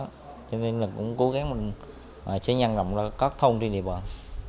cho nên là cũng cố gắng mình sẽ nhanh rộng các thông trên địa bàn